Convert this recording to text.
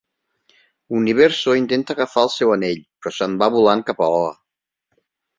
Universo intenta agafar el seu anell, però se'n va volant cap a Oa.